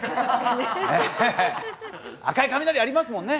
赤い雷ありますもんね。